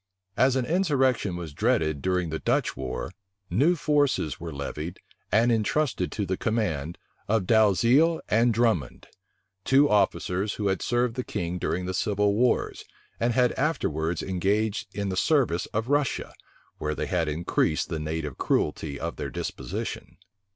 As an insurrection was dreaded during the Dutch war, new forces were levied, and intrusted to the command, of Dalziel and Drummond; two officers who had served the king during the civil wars, and had afterwards engaged in the service of Russia, where they had increased the native cruelty of their disposition.